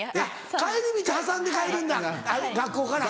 帰り道挟んで帰るんだ学校から。